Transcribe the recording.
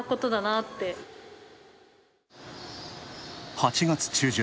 ８月中旬。